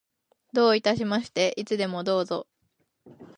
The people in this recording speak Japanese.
どういたしまして。いつでもどうぞ。